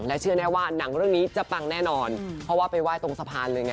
เชื่อแน่ว่าหนังเรื่องนี้จะปังแน่นอนเพราะว่าไปไห้ตรงสะพานเลยไง